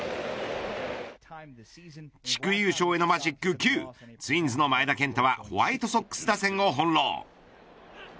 地区優勝へのマジック９ツインズの前田健太はホワイトソックス打線を翻弄。